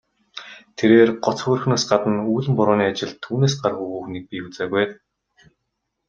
Тэрээр гоц хөөрхнөөс гадна үүлэн борооны ажилд түүнээс гаргуу хүүхнийг би үзээгүй.